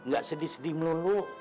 gak sedih sedih melulu